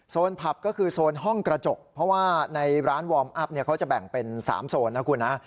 ผับก็คือโซนห้องกระจกเพราะว่าในร้านวอร์มอัพเขาจะแบ่งเป็น๓โซนนะคุณนะ